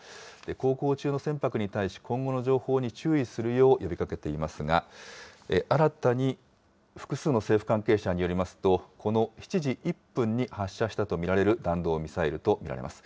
航行中の船舶に対し、今後の情報に注意するよう呼びかけていますが、新たに複数の政府関係者によりますと、この７時１分に発射したと見られる弾道ミサイルと見られます。